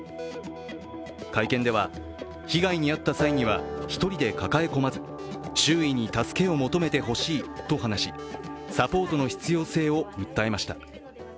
会見では、被害に遭った際には一人で抱え込まず周囲に助けを求めてほしいと話し、サポートの必要性を訴えました。